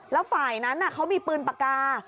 แล้วฝ่ายนั้นเขามีปืนปากกา